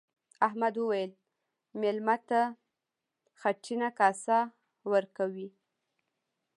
احمد وويل: مېلمه ته خټینه کاسه ورکوي.